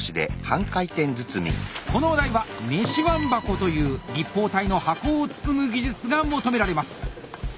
このお題は「飯椀箱」という立方体の箱を包む技術が求められます。